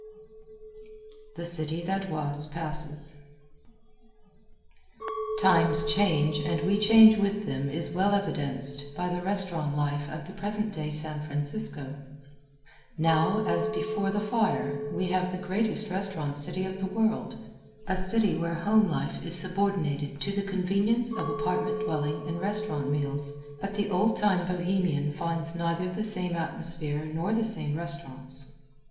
The City That Was Passes Times change and we change with them is well evidenced by the restaurant life of the present day San Francisco. Now, as before the fire, we have the greatest restaurant city of the world a city where home life is subordinated to the convenience of apartment dwelling and restaurant meals but the old time Bohemian finds neither the same atmosphere nor the same restaurants.